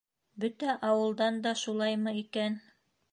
Бөтә ауылдан да шулаймы икән?